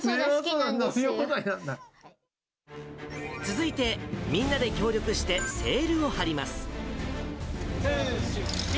続いて、みんなで協力してセールを張ります。